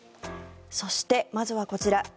そして、まずはこちら。